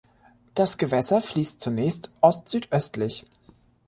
Das Gewässer fließt zunächst ostsüdöstlich.